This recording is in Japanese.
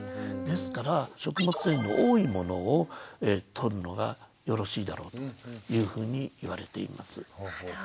ですから食物繊維の多いものをとるのがよろしいだろうというふうに言われています。